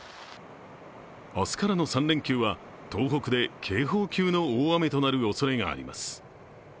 明日からの３連休は東北で警報級の大雨となるおそれがあります。